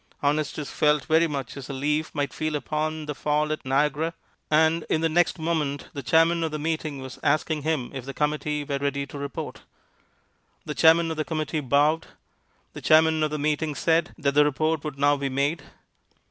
Honestus felt very much as a leaf might feel upon the fall at Niagara, and in the next moment the chairman of the meeting was asking him if the committee were ready to report. The chairman of the committee bowed. The chairman of the meeting said that the report would now be made.